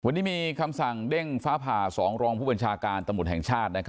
วันนี้มีคำสั่งเด้งฟ้าผ่า๒รองผู้บัญชาการตำรวจแห่งชาติ